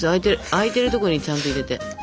あいてるところにちゃんと入れて。